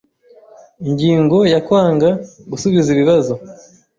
Ingingo ya Kwanga gusubiza ibibazo